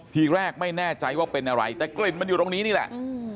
ทีแรกไม่แน่ใจว่าเป็นอะไรแต่กลิ่นมันอยู่ตรงนี้นี่แหละ